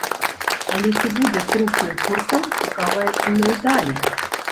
Але ці будзе трушнасць гурта цікавая і найдалей?